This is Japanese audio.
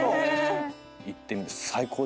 行ってみて。